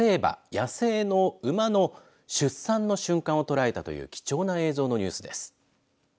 野生の馬の出産の瞬間を捉えたという貴重な映像のニュースです。